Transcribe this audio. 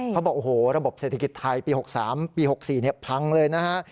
เขาบอกโอ้โหระบบเศรษฐกิจไทยปี๖๓ปี๖๔พังเลยนะฮะ